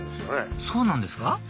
そうなんですか？